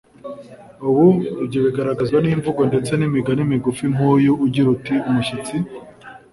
ubu. ibyo bigaragazwa n’imvugo ndetse n’imigani migufi nk’uyu ugira uti: “umushyitsi